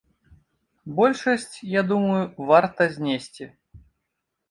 Большасць, я думаю, варта знесці.